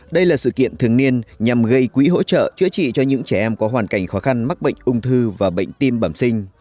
đây là sự kiện thường niên nhằm gây quỹ hỗ trợ chữa trị cho những trẻ em có hoàn cảnh khó khăn mắc bệnh ung thư và bệnh tim bẩm sinh